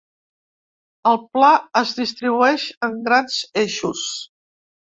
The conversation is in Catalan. El pla es distribueix en grans eixos.